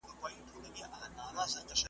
سر پر سر یې ترېنه وکړلې پوښتني .